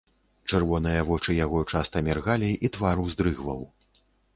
Чырвоныя вочы яго часта міргалі, і твар уздрыгваў.